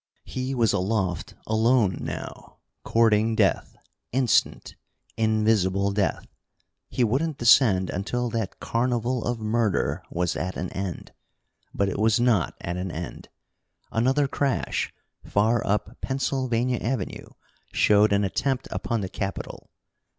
He was aloft alone now, courting death instant, invisible death. He wouldn't descend until that carnival of murder was at an end. But it was not at an end. Another crash, far up Pennsylvania Avenue, showed an attempt upon the Capitol.